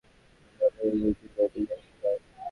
আমি আপনাকে ইউপির মেয়েদের দেখিয়েছিলাম?